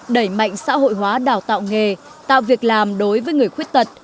đẩy mạnh xã hội hóa đào tạo nghề tạo việc làm đối với người khuyết tật